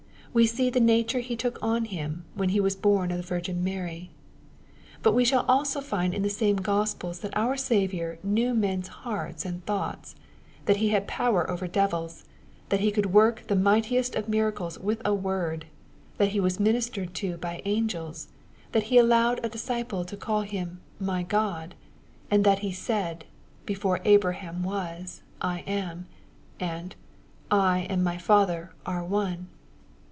We see the nature He took on Him, when He was born of the Virgin Mary. But we shall also find in the same Gospels that our Saviour knew men's hearts and thoughts, — that He had power over devils, — that He could work the mightiest of miracles with a word, — that He was ministered to by angels, — that He allowed a disciple to call Him " m^ God," — and that he said, " Before Abraham was I am," and " I and mv Father are one."